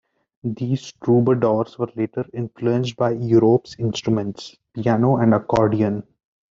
These troubadors were later influenced by Europe's instruments: piano and accordion.